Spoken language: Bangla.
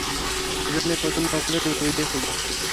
এজন্যই প্রথম নৌকাটা ডুবে গিয়েছিল।